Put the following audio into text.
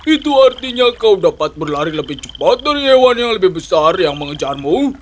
itu artinya kau dapat berlari lebih cepat dari hewan yang lebih besar yang mengejarmu